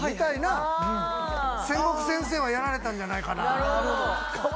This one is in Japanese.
千石先生はやられたんじゃないかな